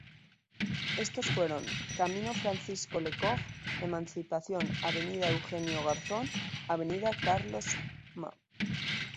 Estos fueron: Camino Francisco Lecocq, Emancipación, Avda. Eugenio Garzón, Avda. Carlos Ma.